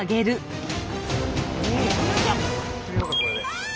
ああ！